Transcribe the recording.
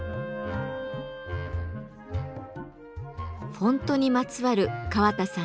フォントにまつわる川田さん